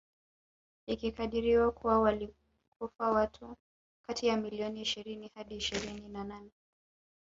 Ikikadiriwa kuwa walikufa watu kati ya milioni ishirini hadi ishirini na nane